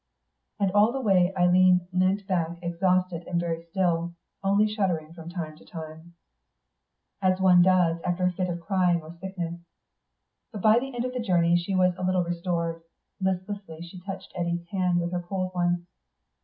And all the way Eileen leant back exhausted and very still, only shuddering from time to time, as one does after a fit of crying or of sickness. But by the end of the journey she was a little restored. Listlessly she touched Eddy's hand with her cold one.